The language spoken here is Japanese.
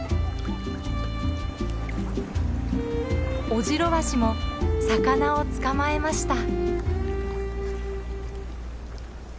オジロワシも魚を捕まえました。